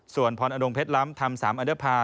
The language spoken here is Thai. ส่วนพรอนงเพชรล้ำทำ๓อันเดอร์พา